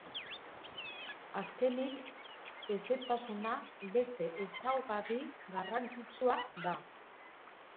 Azkenik, hezetasuna beste ezaugarri garrantzitsua da.